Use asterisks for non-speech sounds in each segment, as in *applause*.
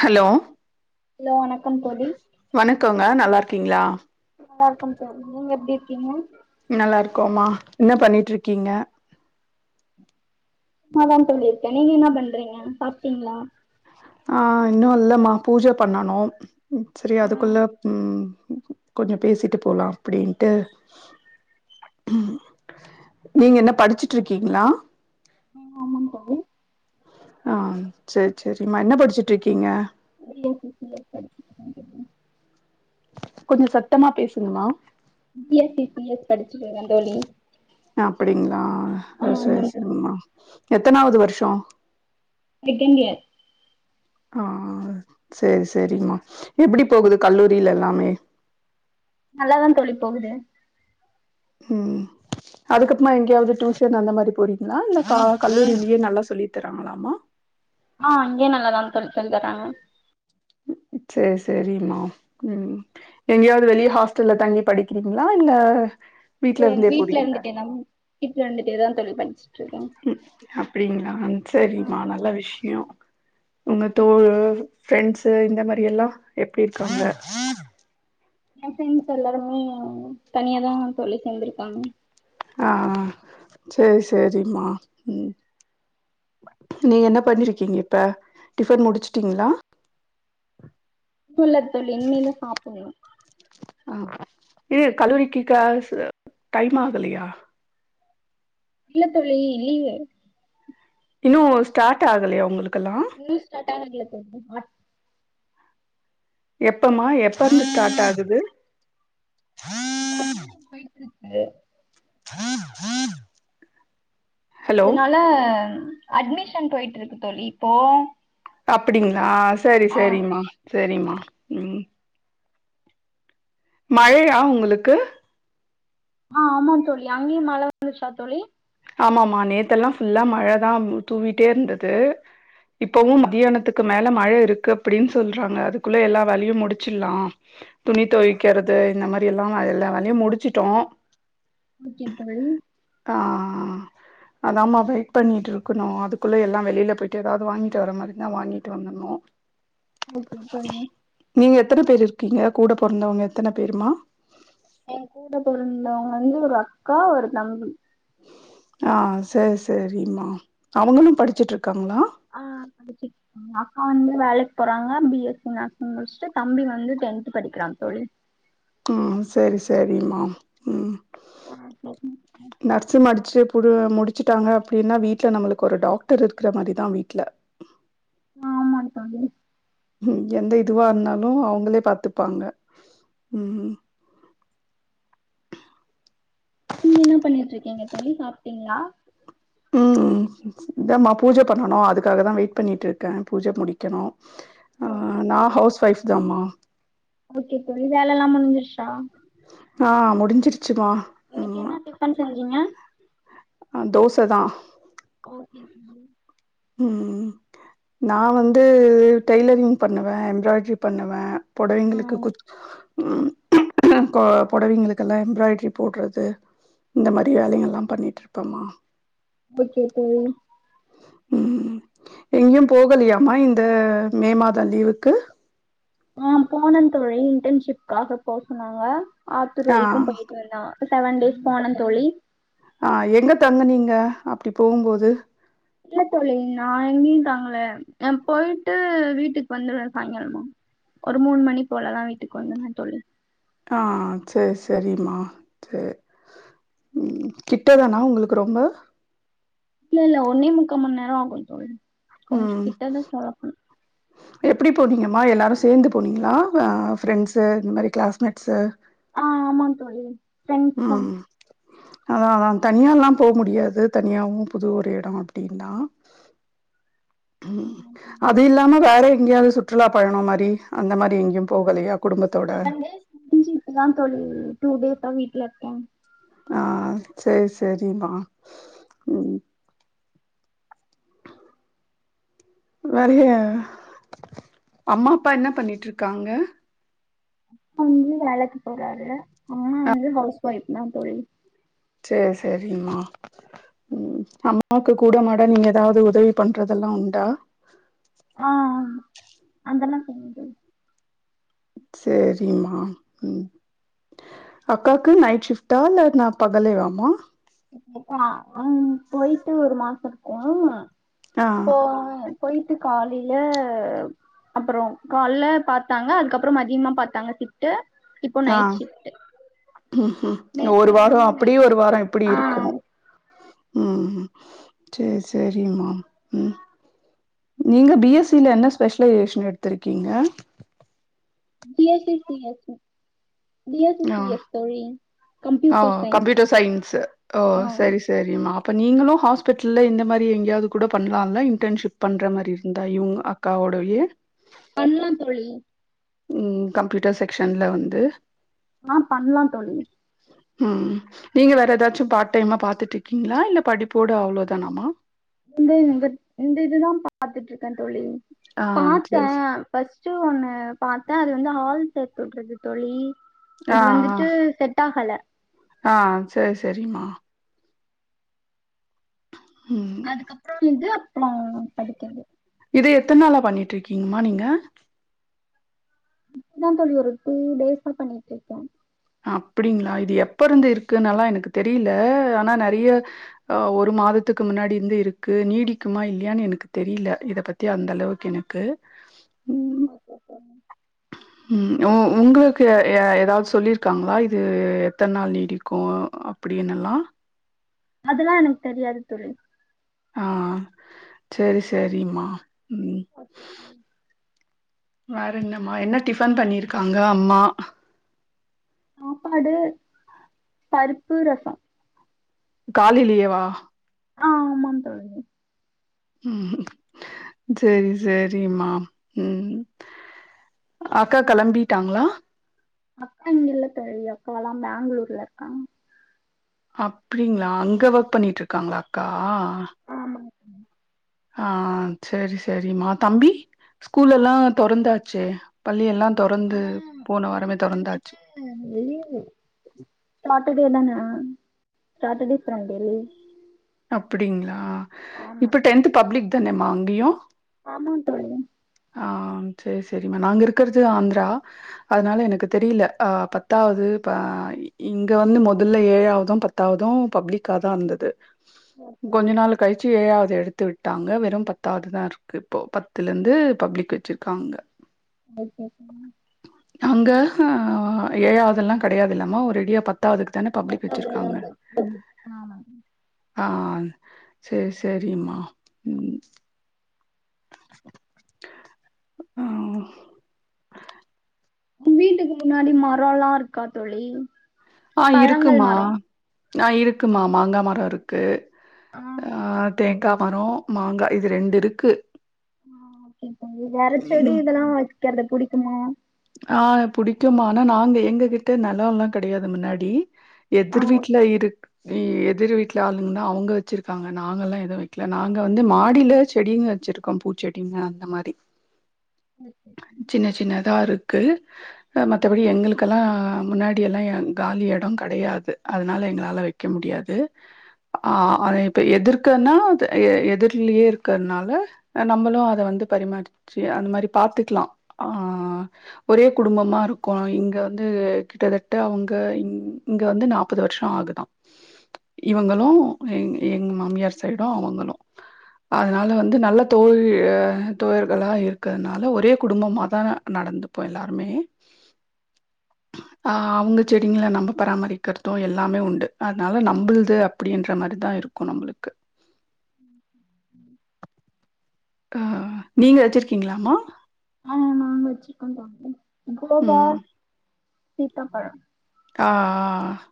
Hello லோ வணக்கம் தோழி வணக்கோங்க நல்லார்க்கீங்ளா நல்லாருக்கும் சார் நீங்க எப்டி இருக்கீங்க நல்லா இருக்கோமா என்ன பண்ணிட் இருக்கீங்க சும்மாதா தோழி இருக்கே நீங்க என்ன பண்றீங்க சாப்டீங்ளா ஆ இன்னும் இல்லமா பூஜ பண்ணனு சரி ஆ அதுக்குள்ள ம் கொஞ்ச பேசிட்டு போலா அப்டின்ட்டு ம் நீங்க என்ன படிச்சிட்ருக்கீங்ளா ஆமாங் தோழி ஆ சேர் செரிம்மா என்ன படிச்சிட்ருக்கீங்க B S C C S படிச்சிட்ருக்கே தோழி. கொஞ்ச சத்தமா பேசுங்கமா B S C C S படிச்சிட் இருக்க தோழி அப்படிங்ளா ஆ ஆமாம் சரி சரி தோழி மா எத்தனாவது வர்ஷோ செகன்ட் இயர் ஆ சேரி செரிமா எப்டி போகுது கல்லூரில எல்லாமே நல்லாதா தோழி போகுது ம் அதுக்கப்மா எங்கேயாவது டியூஷன் அந்த மாதிரி போறீங்ளா இல்ல கல்லூர்லயே நல்லா சொல்லி தர்ராங்ளாமா ஆ இங்யே நல்லாதா சொல்லி தர்றாங்க சேர் செரிம்மா ம் எங்கேயாவது வெளியே ஹாஸ்டல்ல தங்கி படிக்கிறீங்ளா இல்ல இல்ல எங் இருந்தே வீட்ல போறீங்களா இருந்துட்டேதா வீட்ல இருந்துட்டேதா தோழி படிச் அப்டிங்ளா செரிம்மா ஆமா நல்ல தோழி விஷ் யோ உங்க தோழு பிரண்ட்ஸ்சு இந்த மாரி எல்லா எப்டி இருக்காங்க எ ப்ரண்ட்ஸ் எல்லாருமே தனியாதா தோழி சேர்ந்திருக்காங்க ஆ சேரி சேரிமா ம் நீங்க என்ன பண்ணிருக்கீங்க இப்ப டிபன் முடிச்சிட்டீங்ளா இப் இல்ல தோழி இனிமேதா சாப்புட்ணு ஆ ஏ கல்லூரிக்கு கிளாசு டைம் ஆகலியா இல்ல தோழி லீவு இன்னும் ஸ்டார்ட் ஆகலயா உங்களுகெல்லா இன்னு ஸ்டார்ட ஆக வேண்டிருக்கு ஆர் எப்பமா எப்பருந்து ஸ்டார்ட் ஆகுது இப்ப அட்மிஷன் போயிட்ருக்கு *inaudible* ஹலோ அதனால அட்மிஷன் போயிட்டு இருக்கு தோழி இப்போ அப்படிங்களா சரி சரிம்மா சரிம்மா ம் மழையா உங்களுக்கு ஆ ஆமா தோழி அங்கேயும் மழை வந்துச்சா தோழி ஆமா ஆமா நேத்து எல்லாம் ஃபுல்லா மழதான் தூவிட்டே இருந்தது இப்பவும் ஓகே தோழி மதியானத்துக்கு மேல மழ இருக்கு அப்படின் சொல்றாங்க அதுக்குள்ள எல்லா வேலயு முடிச்சிர்லாம் துணி துவைக்கறது இந்த மாரி எல்லா அதெல்லா வேலையு முடிச்சிட்டோம் ஓகே தோழி ஆ அதாம வெயிட் பண்ணிட்டு இருக்கணும் அதுக்குள்ள எல்லா வெளியில போயிட்டு ஏதாது வாங்கிட்டு வர மாரி இருந்தா வாங்கிட்டு வந்தரனும் ஓகே தோழி நீங்க எத்தன பேரு இருக்கீங்க கூட பொறந்தவங்க எத்தன பேருமா என் கூட பொறந்தவங்க வந்து ஒரு அக்கா ஒரு தம்பி ஆ சரி சரிம்மா அவங்களும் படிச்சிட்டுருக்காங்களா ஆ அடிச்சி அக்கா வந்து வேலைக்கு போறாங்க பி எஸ் சி நர்சிங் முடிச்சிட்டு தம்பி வந்து டென்த் படிக்கிறா தோழி ம் சரி சரிமா ம் ஆ சரிங்க நர்சு மடிச்சி புரு முடிச்சிடாங்க அப்படின்னா வீட்ல நம்மளுக்கு ஒரு டாக்டர் இருக்கிற மாரிதா வீட்ல ஆமாங்க தோழி ம் எந்த இதுவா இருந்தாலு அவங்களே பாத்துப்பாங்க ம் ம் நீங்க என்ன பண்ணிட்டு இருக்கீங்க தோழி சாப்டீங்களா ம் இதமா பூஜை பண்ணனு அதுக்காகதா வெயிட் பண்ணிட்டு இருக்கே பூஜை முடிக்கணு ஆ ஓகே நா தோழி ஹவுஸ் வைஃப் தாமா ஓகே தோழி வேல எல்லா முடிஞ்சிருச்சா ஆ முடிஞ்சிருச்சிமா இன்னிக்கு என்ன டிபன் செஞ்சீங்க ஆ தோசதா ஓகே ம் நா வந்து டெய்லரிங் பண்ணுவ எம்பிராய்ட்ரி பண்ணுவ ஆ புடவைங்களுக்கு குர்த் கோ புடவைங்களுக்கு எல்லா எம்பிராய்ட்ரி போட்றது இந்த மாரி வேலைங்க எல்லா பண்ணிட்டுருப்பமா ஓகே தோழி ம் எங்கயு போகலயாமா இந்த மே மாத லீவுக்கு ஆ போனன் தோழி இன்டர்ன்ஷிப்காக போ சொன்னாங்க ஆத்தூர் ஆ வரைக்கு போயிட்டு வந்த செவன் டேய்ஸ் போனன் தோழி ஆ எங்க தங்குனிங்க அப்டி போம்போது இல்ல தோழி நா எங்கயு தங்கள நா பொயிட்டு வீட்டுக்கு வந்துடுவ சாய்ங்காளமா ஒரு மூன் மணி போல தா வீட்டுக்கு வந்தே நா தோழி ஆ சேர் செரிம்மா சேர் ம் கிட்ட தானா உங்ளுக்கு ரொம்ப இல்லெல்ல ஒன்னே முக்காமண் நேரோ ஆகு தோழி கொஞ்சம் ம் கிட்டதான் *unintelligible* எப்டி போனீங்கம்மா எல்லாரு சேந்து போனீங்ளா ஆ ஃப்ரெண்ட்ஸூ இந்த மாரி கிளாஸ்மெட்ஸூ ஆ ஆமாங் தோழி ஃப்ரெண்ட்ஸ் தான் ம் அதா அதா தனியால்லா போ முடியாது தனியாவு புது ஒரு எடோ அப்டின்னா அது இல்ல லாம வேற எங்கயாவது சுற்றுலா பயணோ மாரி அந்த மாரி எங்கியு போகலையா குடும்பத்தோட? செவன்டேஸ் முடிஞ்சு இப்பதா தோழி டூ டேஸா வீட்லருக்கே ஆ சேர் சேரிமா ம் *unintelligible* அம்மா அப்பா என்ன பண்ணிட்ருக்காங்க ப்பா வந்து வேலைக்கு போறாரு அம்மா வந்து அவுஸ் ஒய்ஃப் தா தோழி சேர் சேரிமா ம் அம்மாவுக்கு கூட மாட நீ எதாவ்து உதவி பண்றதெல்லா உண்டா ஆ அதெல்லா செய்வே தோழி சேரிம்மா உம் அக்காக்கு நைட் ஷிஃப்ட்டா இல்ல நா பகலேவாமா போய்ட்டா ம் போய்ட்டு ஒரு மாசோருக்குல மா ஆ போயி போய்ட்டு காலைல அப்றோ கால்ல பாத்தாங்க அதுக்கப்றோ மதியமா பாத்தாங்க ஷிப்ட்டு இப்போ நைட் ஷிப்ட்டு உ ஹும் இந்த ஒரு நேத்துல வாரோ இருந்து அப்டி நைட் ஒரு ஷிப்ட்டு வாரோ ஆ இப்டியு இருக்கணு ம் சேர் சேரிம்மா ம் நீங்க பி எஸ் சி ஓகே ல என்ன ஸ்பெஷல் ஏஷன் எடுத்திருக்கீங்க B S C C S தா ஆ ஓ கம்ப்யூட்டர் சயின்ஸ் கம்யூட்டர் சைன்ஸ்ஸு ஓ ஆ செரி செரிம்மா அப்போ நீங்களு ஹாஸ்பிட்டல்ல இந்த மாரி எங்கயாது கூட பண்லான்ல இன்டர்ன்ஷிப் பண்ற மாரி இருந்தா இவுங்க அக் காவுடவிய பண்லா தோழி ம் கம்ப்யூட்டர் செக்க்ஷன்ல வந்து ஆ பண்லா தோழி ம் நீங்க வேற எதாச்சு பார்ட் டைமா பாத்துட்ருக்கீங்களா இல்ல படிப்போட அவ்ளோதானாமா *unintelligible* இந்த இது தா பாத்துட்ருக்கே தோழி ஆ பாத்தே சரி ச ஃபர்ஸ்ட்டு ஒண்ணு பாத்தே அது வந்து ஆள் சேத்துவுட்றது தோழி ஆ அது வந்துட்டு செட் ஆகல ஆ ஆ சேர் செரிம்மா ம் அதுக்கப்றோ வந்து அப்றோ படிக்கற்து இது எத்தன் நாளா பண்ணிட்ருக்கீங்கமா நீங்க இப்பதா தோழி ஒரு டூ டேஸா பண்ணிட்ருக்கே அப்டிங்களா இது எப்ப இருந்து இருக்குனெல்லா எனக்கு தெரில ஆனா நறிய ஆ ஒரு மாதத்துக்கு முன்னாடி இருந்து இருக்கு நீடிக்குமா இல்லையான்னு எனக்கு தெரியல இத பத் பத்தி அந்தளவுக்கு எனக்கு ம் *unintelligible* ம் உ உங்களுக்கு ஏ ஏதாது சொல்லிருக்காங்களா இது எத்தன நாள் நீடிக்கு அப்டின்னுல்லா அதல்லா எனக்கு தெரியாது தோழி ஆ சரி சரிம்மா ம். வேற என்னம்மா என்ன டிஃபன் பண்ணிருக்காங்க அம்மா சாப்பாடு பருப்பு ரசம் காலிலேவா ஆ ஆமா தோழி ம் சேரி சேரிம்மா ம் அக்கா கெளம்பிட்டாங்களா அக்கா இங்கல்ல தோழி அக்கால்லா பேங்களூர்ல இருக்காங்க அப்டிங்களா அங்க ஒர்க் பண்ணிட்டு இருக்காங்களா அக்கா ஆ ஆ ஆ செரி செரிம்மா தம்பி ஸ்கூல்லல்லா தொறந்தாச்சே பள்ளி எல்லா தொறந்து போன வாரமே தொறந்தாச்சு சாட்டர்டே தானா சாட்டர்டே சண்டே லீவ் அப்டிங்களா ஆமா இப்ப டென்த்து பப்ளிக் தானேம்மா அங்கியு ஆமா தோழி ஆ செரி செரிம்மா நாங்க இருக்கறது ஆந்திரா அதனால எனக்கு தெரியில ஆ பத்தாவது ப இங்க வந்து மொதல்ல ஏழாவதும் பத் த்தாதும் பப்ளிக்காதா இருந்தது ஆ கொஞ்ச நாள் கழிச்சு ஏழாவது எடுத்து விட்டாங்க வெறும் பத்தாவதுதா இருக்கு இப்போ பத்துலேருந்து பப்ளிக்கு வச்சிருக்காங்க *unintelligible* அங்க ஆ ஏழாவதெல்லா கெடையாது இல்லம்மா ஒரடியா பத்தாவதுக்கு தான பப்ளிக் வச்சிருக்காங்க ம் ஆமாங்க ஆ சேரி சேரிம்மா ம் ஆ வீட்டுக்கு முன்னாடி மரோல்லா இருக்கா தோழி ஆ பழங்கள் இருக்குமா மரோ ஆ இருக்குமா மாங்கா மர இருக்கு ஆ தேங்கா மரோ மாங்கா இது ரெண்டு இருக்கு ஆ ஓகே தோழி வேற செடி ம் இதெல்லா வக்கறத புடிக்குமா ஆ புடிக்கும்மா ஆனா நாங்க எங்கக்கிட்ட நெலல்லா கெடையாது முன்னாடி ஆ எதிர் வீட்ல இருக்கு இ எதிர் வீட்ல ஆளுங்கன்னா அவுங்க வச்சிருக்காங்க நாங்கல்லா எதுவு வக்கல நாங்க வந்து மாடியில செடிங்க வச்சிருக் கோம் பூச்செடிங்க அந்த மாரி *inaudible* சின்ன சின்னதா இருக்கு ஆ மத்தபடி எங்களுக்கெல்லா முன்னாடி எல்லா ஏ காலி எட கெடையாது அதனால எங்களால வக் க முடியாது ஆ அத இப்ப எதிர்க்கன்னா அது எ எதுர்லயே இருக்கறனால நம்மளு அத வந்து பரிமாற்றி அந்த மாரி பாத்துக்கலா ஆஹ் ஒரே குடும்பமா இருக்கோ இங்க வந்து கிட்டத்தட்ட அவுங்க இங்க வந்து நா ப்பது வருஷோ ஆகுதா இவங்களும் எ எங்க மாமியார் சைடும் அவுங்களு அதனால ஓகே வந்து நல்ல தோழி தோழர்களா இருக்கறதுனால ஒரே குடும்பமாதா நடந்துப்போ எல்லாருமே ஆ அவுங்க செடிங்கள நம்ம பராமரிக்கறது எல்லாமே உண்டு அதனால நம்புளுது அப்டின்ற மாரி தா இருக்கு கு நம்பளுக்கு *inaudible* அஹ் நீங்க வச்சிருக்கீங்களாம்மா ஆஹ் நாங்க வச்சிருக்கோங்க தோழி கோவா ம். சீத்தாப்பழம் ஆஹ்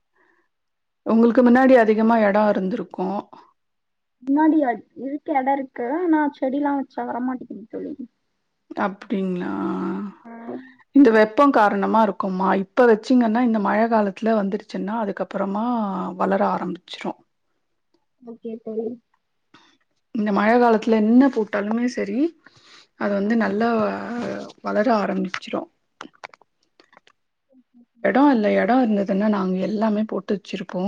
உங்களுக்கு முன்னாடி அதிகமா எடோ இருந்திருக்கு முன்னாடி அது இருக்கு எடோ இருக்கு ஆனா செடி எல்லா வச்சா வர மாட்டிக்குது தோழி அப்டிங்களா ஆ இந்த வெப் ப்பம் காரணமா இருக்கும்மா இப்போ வச்சிங்கன்னா இந்த மழ காலத்தில வந்துருச்சுன்னா அதுக்கப்பறமா வளர ஆரம்பிச்சிரு ஓகே தோழி இந்த மழ காலத்துல என்ன போட்டாலுமே சரி அது வந்து நல்ல வளர ஆரம்பிச்சிரு எடோ இல்ல எடோ இருந்ததுன்னா நாங்க எல்லாமே போட்டு வச்சிருப்போ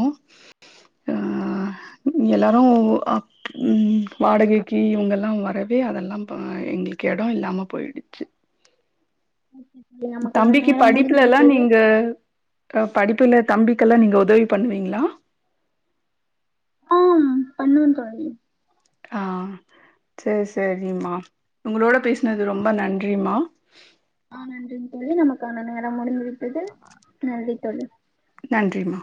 *inaudible* எல்லாரு ம் வாடகைக்கு இவங்க எல்லா வரவே அதெல்லா பா எங்களுக்கு எடோ இல்லாம போயிடுச்சு *inaudible* தம்பிக்கு நேரம் முடிந்து படிப்புல லா விட்டது நீங்க படிப்புல தம்பிக்கெல்லா நீங்க உதவி பண்வீங்களா மூண் கொழந்தைங்க ஆ சேரி சேரிங்ம்மா உங்களோட பேசுனது ரொம்ப நன்றிம்மா ஆ நன்றிங்க தோழி நமக்கான நேரம் முடிந்து விட்டது நன்றி தோழி நன்றிமா